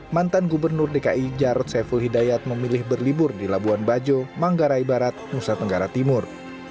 mantan gubernur dki jarod saiful hidayat memilih berlibur di labuan bajo manggarai barat nusa tenggara timur